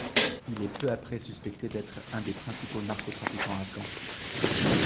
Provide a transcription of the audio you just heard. Il est peu après suspecté d'être un des principaux narco-trafiquants afghans.